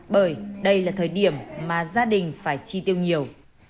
bởi đây là thời điểm mà gia đình phải chi tiêu nhiều